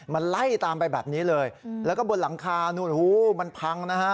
มันไล่ตามไปแบบนี้เลยแล้วก็บนหลังคานู่นหูมันพังนะฮะ